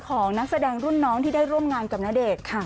ของนักแสดงรุ่นน้องที่ได้ร่วมงานกับณเดชน์ค่ะ